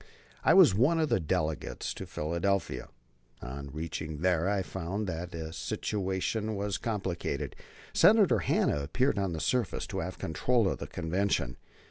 I was one of the delegates to Philadelphia. On reaching there I found that the situation was complicated. Senator Hanna appeared on the surface to have control of the Convention.